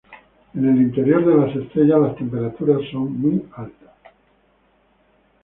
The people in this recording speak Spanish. En el interior de las estrellas las temperaturas son muy altas.